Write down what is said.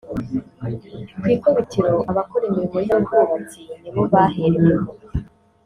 Ku ikubitiro abakora imirimo y’ubwubatsi ni bo bahereweho